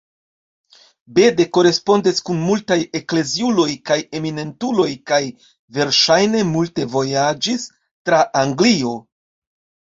Bede korespondis kun multaj ekleziuloj kaj eminentuloj, kaj verŝajne multe vojaĝis tra Anglio.